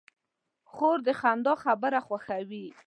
خور د خندا خبره خوښوي.